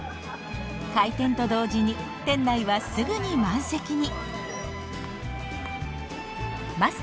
開店と同時に店内はすぐに満席に。